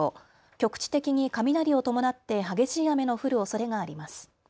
局地的に雷を伴って激しい雨の降るおそれがあります。